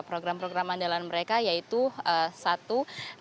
program program andalan mereka yaitu satu